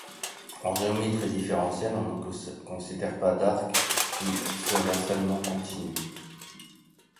En géométrie différentielle on ne considère pas d'arcs qui seraient seulement continus.